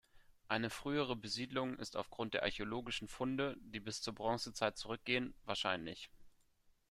Eine frühere Besiedlung ist aufgrund der archäologischen Funde, die bis zur Bronzezeit zurückgehen, wahrscheinlich.